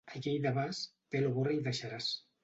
A Lleida vas, pèl o borra hi deixaràs.